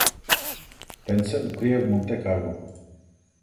Ten se ukryje v Monte Carlu.